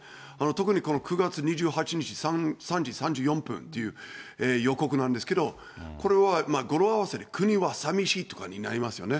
特に９月２８日３時３４分という予告なんですけど、これは語呂合わせで国はさみしいとかになりますよね。